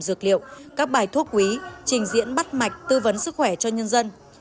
dược liệu các bài thuốc quý trình diễn bắt mạch tư vấn sức khỏe cho nhân dân